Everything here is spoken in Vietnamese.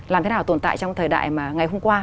làm thế nào tồn tại trong thời đại mà ngày hôm qua